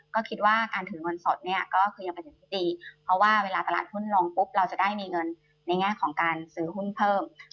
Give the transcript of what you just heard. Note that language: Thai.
ก็คิดว่าการถือเงินสดก็ยังประจัดได้ดีเพราะว่าเวลาตลาดหุ้นลงปุ๊บ